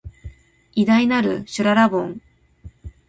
偉大なる、しゅららぼん